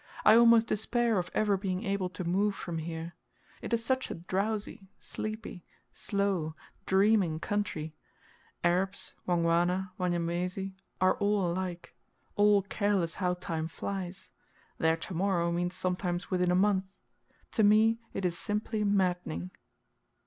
I almost despair of ever being able to move from here. It is such a drowsy, sleepy, slow, dreaming country. Arabs, Wangwana, Wanyamwezi, are all alike all careless how time flies. Their to morrow means sometimes within a month. To me it is simply maddening.